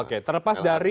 oke terlepas dari